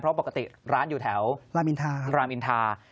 เพราะปกติร้านอยู่แถวลำอินทร์